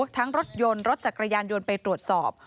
ทั้งรถยนต์รถจักรยานยนต์ไปตรวจสอบ